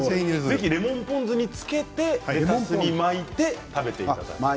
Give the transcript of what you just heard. ぜひレモンポン酢につけてレタスに巻いて食べてください。